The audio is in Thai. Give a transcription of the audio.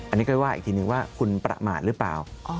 อันนี้ค่อยว่าอีกทีนึงว่าคุณประมาทหรือเปล่า